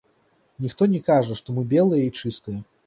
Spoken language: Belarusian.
Ніхто не кажа, што мы белыя і чыстыя.